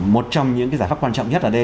một trong những giải pháp quan trọng nhất ở đây